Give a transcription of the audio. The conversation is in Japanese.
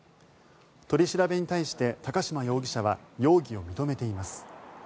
取り調べに対して高島容疑者は容疑を認めています。